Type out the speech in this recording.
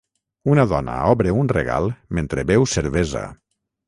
Una dona obre un regal mentre beu cervesa.